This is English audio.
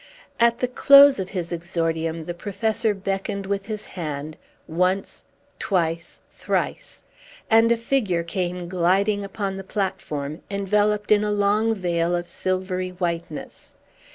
At the close of his exordium, the Professor beckoned with his hand, once, twice, thrice, and a figure came gliding upon the platform, enveloped in a long veil of silvery whiteness.